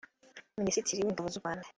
Minisitiri w’Ingabo z’u Rwanda